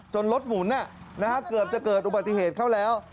รถหมุนเกือบจะเกิดอุบัติเหตุเข้าแล้ว